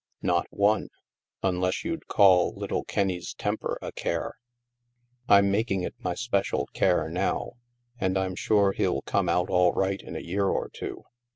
" Not one. Unless you'd call little Kenny's tem per a * care.' I'm making it my special care now, and I'm sure he'll come out all right in a year or two.